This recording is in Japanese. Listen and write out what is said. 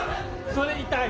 それ痛い！